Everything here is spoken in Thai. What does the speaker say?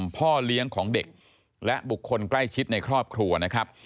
พ่อเลี้ยงของเด็กและบุคคลใกล้ชิดในครอบครัวนะครับ